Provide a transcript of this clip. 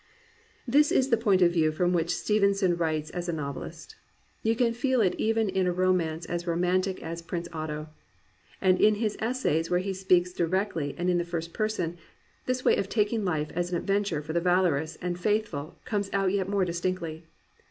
This is the point of view from which Stevenson writes as a novelist; you can feel it even in a ro mance as romantic as Prince Otto ; and in his essays, where he speaks directly and in the first person, this way of taking life as an adventure for the val ourous and faithful comes out yet more distinctly.